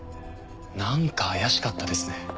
なんか怪しかったですね。